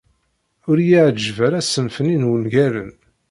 Ur yi-yeεǧib ara ṣṣenf-nni n wungalen.